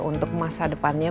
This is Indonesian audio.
untuk masa depannya